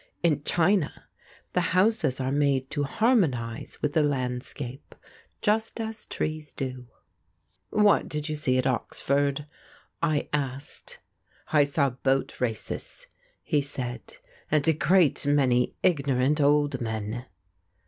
In China the houses are made to harmonise with the landscape just as trees do." "What did you see at Oxford?" I asked. "I saw boat races," he said, "and a great many ignorant old men."